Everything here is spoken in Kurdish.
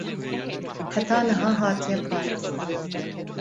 heta niha hatiye parastin